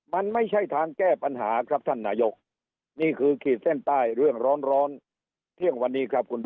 มันไม่ใช่ทางแก้ปัญหาครับท่านนายกนี่คือขีดเส้นใต้เรื่องร้อนร้อน